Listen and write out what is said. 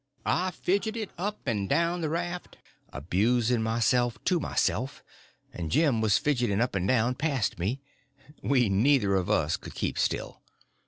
I fidgeted up and down the raft, abusing myself to myself, and Jim was fidgeting up and down past me. We neither of us could keep still.